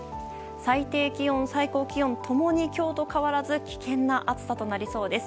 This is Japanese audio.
最低気温、最高気温共に今日と変わらず危険な暑さとなりそうです。